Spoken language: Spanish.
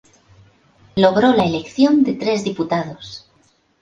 Logró la elección de tres diputados.